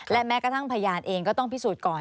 และแม้กระทั่งพยานเองก็ต้องพิสูจน์ก่อน